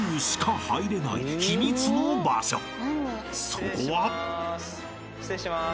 ［そこは］失礼します。